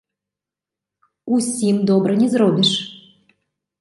Усім добра не зробіш.